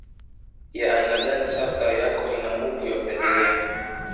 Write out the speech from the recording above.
ya aina gani sasa yako ina nguvu ya kuendelea